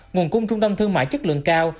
nguồn cung trung tâm thương mại chất lượng cao